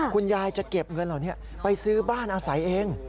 คุณยายจะเก็บเงินเหล่านี้ไปซื้อบ้านอาศัยเอง